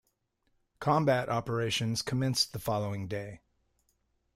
Combat operations commenced the following day.